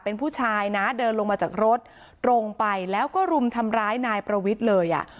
เป็นผู้ชายนะเดินลงมาจากรถตรงไปแล้วก็รุมทำร้ายนายประวิทย์เลยอ่ะ